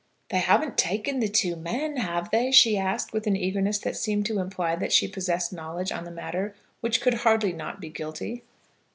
"They haven't taken the two men, have they?" she asked, with an eagerness that seemed to imply that she possessed knowledge on the matter which could hardly not be guilty.